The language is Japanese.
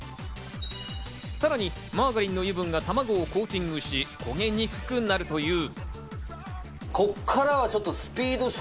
さらにマーガリンの油分が卵をコーティングし、焦げにくくなるという。